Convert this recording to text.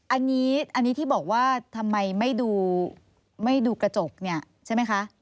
อันนี้ที่บอกว่าทำไมไม่ดูกระจกเนี่ยใช่ไหมคะ